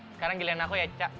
sekarang giliran aku ya ca